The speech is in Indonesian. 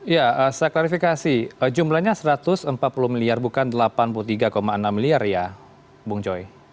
ya saya klarifikasi jumlahnya satu ratus empat puluh miliar bukan delapan puluh tiga enam miliar ya bung joy